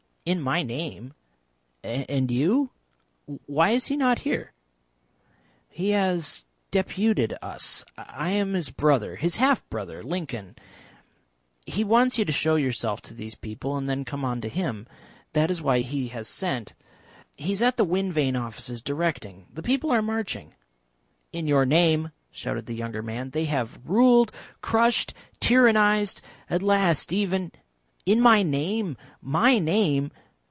"In my name? And you? Why is he not here?" "He has deputed us. I am his brother his half brother, Lincoln. He wants you to show yourself to these people and then come on to him. That is why he has sent. He is at the wind vane offices directing. The people are marching." "In your name," shouted the younger man. "They have ruled, crushed, tyrannised. At last even " "In my name! My name!